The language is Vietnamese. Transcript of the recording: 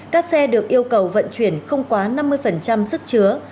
các xe được yêu cầu vận chuyển không quá năm mươi sức chứa